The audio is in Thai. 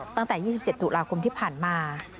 ตั้งแต่๒๗ตุลาคมที่ผ่านมา